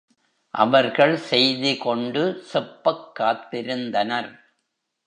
அவர்கள் செய்தி கொண்டு செப்பக் காத்திருந் தனர்.